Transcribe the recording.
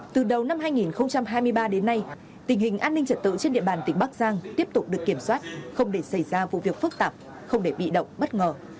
từ đầu năm hai nghìn hai mươi ba đến nay tình hình an ninh trật tự trên địa bàn tỉnh bắc giang tiếp tục được kiểm soát không để xảy ra vụ việc phức tạp không để bị động bất ngờ